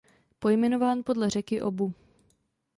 Pojmenován podle řeky Obu.